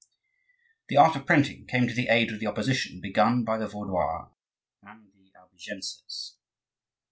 The art of printing came to the aid of the opposition begun by the Vaudois and the Albigenses.